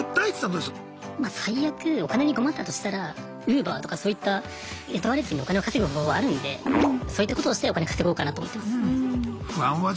最悪お金に困ったとしたらＵｂｅｒとかそういった雇われずにお金を稼ぐ方法あるんでそういったことをしてお金稼ごうかなと思ってます。